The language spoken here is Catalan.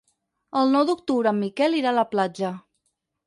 El nou d'octubre en Miquel irà a la platja.